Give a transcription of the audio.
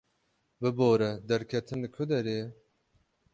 Bibore, derketin li ku derê ye?